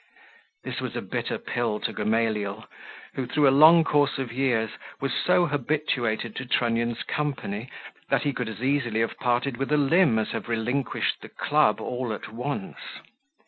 This was a bitter pill to Gamaliel, who, through a long course of years, was so habituated to Trunnion's company, that he could as easily have parted with a limb as have relinquished the club all at once.